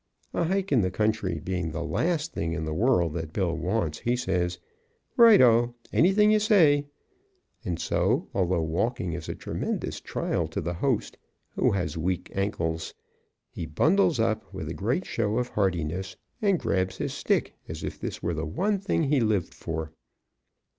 A hike in the country being the last thing in the world that Bill wants, he says, "Right o! Anything you say." And so, although walking is a tremendous trial to the host, who has weak ankles, he bundles up with a great show of heartiness and grabs his stick as if this were the one thing he lived for.